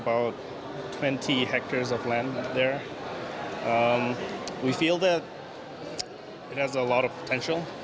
kami merasa itu memiliki banyak potensi